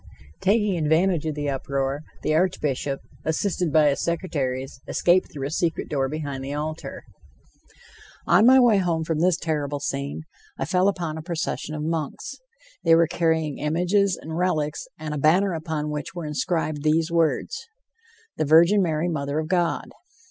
Taking advantage of the uproar, the Archbishop, assisted by his secretaries, escaped through a secret door behind the altar. [Illustration: Engraving of XV Century Representing the Trinity.] On my way home from this terrible scene, I fell upon a procession of monks. They were carrying images and relics, and a banner upon which were inscribed these words: "The Virgin Mary, Mother of God."